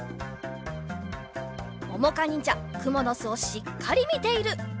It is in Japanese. ももかにんじゃくものすをしっかりみている。